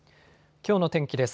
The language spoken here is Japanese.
きょうの天気です。